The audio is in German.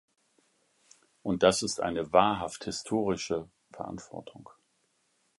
Und das ist eine wahrhaft historische Verantwortung.